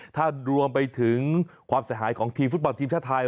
ถ้ารวมไปถึงความเสียหายของทีมฟุตบอลทีมชาติไทย